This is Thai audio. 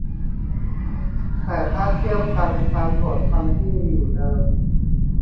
แต่ถ้าเทียบกันการตรวจคำที่มีอยู่เดิม